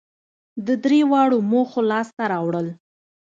د درېواړو موخو لاسته راوړل